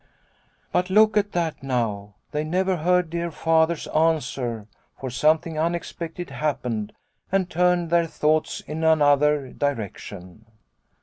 " But look at that now ! They never heard dear Father's answer, for something unexpected happened and turned their thoughts in another direction.